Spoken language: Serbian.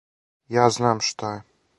Ја знам шта је.